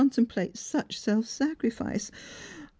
137 template such self sacrifice.